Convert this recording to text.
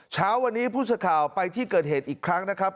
เช้าวันนี้ผู้สื่อข่าวไปที่เกิดเหตุอีกครั้งนะครับ